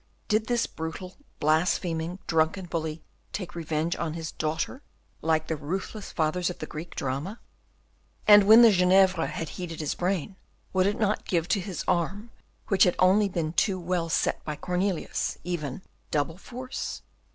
Did this brutal, blaspheming, drunken bully take revenge on his daughter, like the ruthless fathers of the Greek drama? And when the Genièvre had heated his brain, would it not give to his arm, which had been only too well set by Cornelius, even double force?